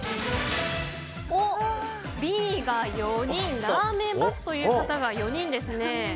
Ｂが４人ラーメンバスという方が４人ですね。